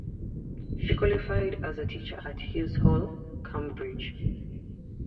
She qualified as a teacher at Hughes Hall, Cambridge.